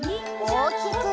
おおきく！